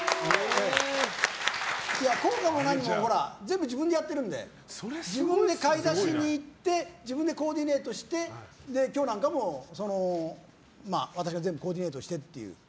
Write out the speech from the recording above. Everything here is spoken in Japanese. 高価も何も全部、自分でやってるので自分で買い出しに行って自分でコーディネートして今日なんかも私が全部コーディネートしてっていう。